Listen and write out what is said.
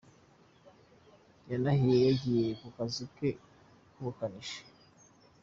Yanahiye yagiye ku kazi ke k’ubukanishi.